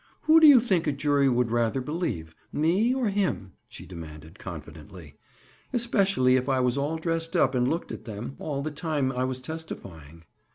"Who do you think a jury would rather believe, me or him?" she demanded confidently. "Especially if I was all dressed up and looked at them, all the time I was testifying."